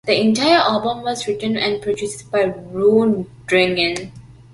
The entire album was written and produced by Rundgren.